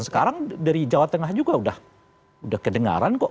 sekarang dari jawa tengah juga udah kedengaran kok